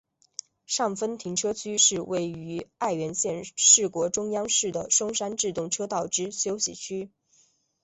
上分停车区是位于爱媛县四国中央市的松山自动车道之休息区。